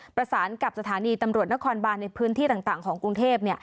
ประสานกับสถานีตำรวจนครบานในพื้นที่ต่างของกรุงเทพ